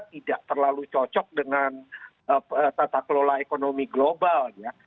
tidak terlalu cocok dengan tata kelola ekonomi global ya